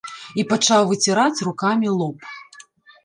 І пачаў выціраць рукамі лоб.